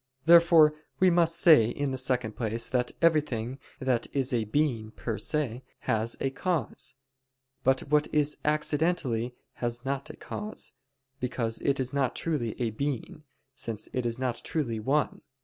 Therefore we must say, in the second place, that everything that is a being per se, has a cause; but what is accidentally, has not a cause, because it is not truly a being, since it is not truly one.